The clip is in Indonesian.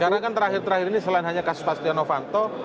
karena kan terakhir terakhir ini selain hanya kasus pastian novanto